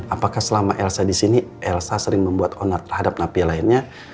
apakah selama elsa di sini elsa sering membuat onar terhadap napia lainnya